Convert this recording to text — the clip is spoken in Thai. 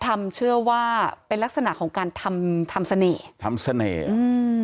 ความเชื่อว่าเป็นลักษณะของการทำทำเสน่ห์ทำเสน่ห์อืม